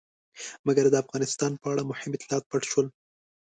مګر د افغانستان په اړه مهم اطلاعات پټ شول.